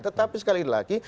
tetapi sekali lagi